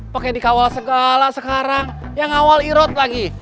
pakai dikawal segala sekarang yang ngawal irod lagi